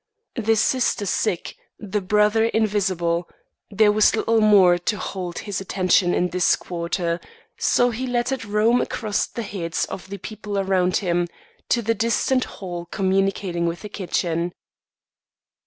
The sister sick, the brother invisible, there was little more to hold his attention in this quarter; so he let it roam across the heads of the people about him, to the distant hall communicating with the kitchen.